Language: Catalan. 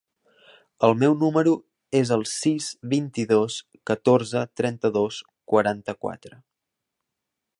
El meu número es el sis, vint-i-dos, catorze, trenta-dos, quaranta-quatre.